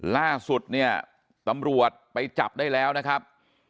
ล่าสุดเนี่ยตำรวจไปจับได้แล้วนะครับ